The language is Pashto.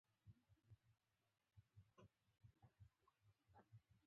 ازادي راډیو د د ښځو حقونه په اړه د نوښتونو خبر ورکړی.